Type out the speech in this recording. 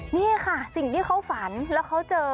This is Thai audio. นี่ค่ะสิ่งที่เขาฝันแล้วเขาเจอ